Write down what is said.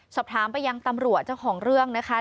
สอบถามไปยังตำรวจเจ้าของเรื่องนะคะ